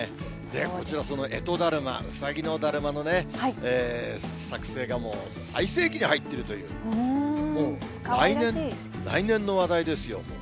これがその干支だるま、うさぎのだるまのね、作成がもう、最盛期に入っているという、もう来年の話題ですよ、もう。